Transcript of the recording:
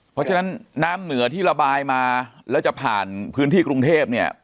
เพราะฉะนั้นน้ำเหนือที่ระบายมาแล้วจะผ่านพื้นที่กรุงเทพเนี่ย